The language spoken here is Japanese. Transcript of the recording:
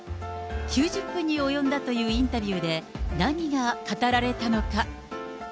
９０分に及んだというインタビューで、何が語られたのか。